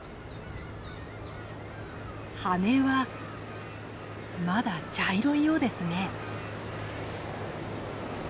羽はまだ茶色いようですね。